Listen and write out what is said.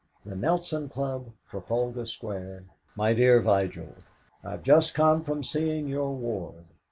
"THE NELSON CLUB, "TRAFALGAR SQUARE. "MY DEAR VIGIL, "I've just come from seeing your ward.